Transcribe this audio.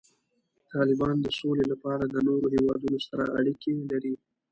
طالبان د سولې لپاره د نورو هیوادونو سره اړیکې لري.